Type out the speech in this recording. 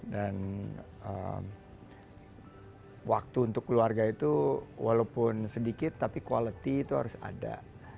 dan waktu untuk keluarga itu walaupun sedikit tapi quality itu harus ada